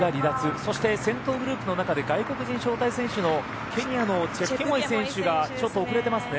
そして先頭グループの中で外国人招待選手のケニアのチェプケモイ選手がちょっと遅れてますね。